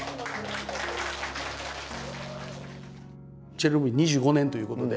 チェルノブイリ２５年ということで。